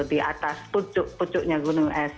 di atas pucuk pucuknya gunung es